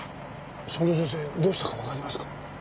その女性どうしたかわかりますか？